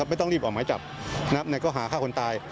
ไม่ต้องรีบออกหมายจับในข้อหาฆ่าคนตาย